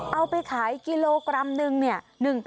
เอาไปขายกิโลกรัมนึงเนี่ย